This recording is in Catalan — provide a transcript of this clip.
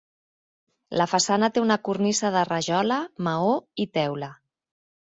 La façana té una cornisa de rajola, maó i teula.